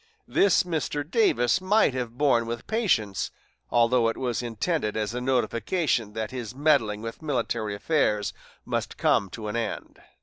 This Mr. Davis might have borne with patience, although it was intended as a notification that his meddling with military affairs must come to an end.